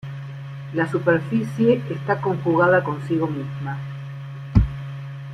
La superficie está conjugada consigo misma.